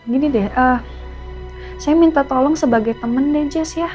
gini deh saya minta tolong sebagai teman deh jazz ya